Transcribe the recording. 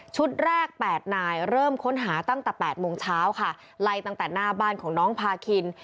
แรก๘นายเริ่มค้นหาตั้งแต่๘โมงเช้าค่ะไล่ตั้งแต่หน้าบ้านของน้องพาคิน